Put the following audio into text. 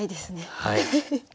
はい。